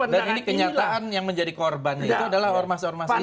dan ini kenyataan yang menjadi korban itu adalah ormas ormas islam